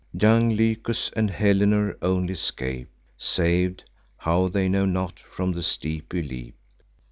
Young Lycus and Helenor only scape; Sav'd—how, they know not—from the steepy leap.